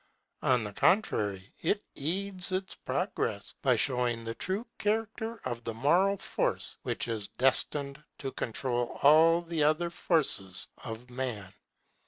On the contrary, it aids its progress, by showing the true character of the moral force which is destined to control all the other forces of man.